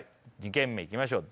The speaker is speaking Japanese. ２軒目いきましょう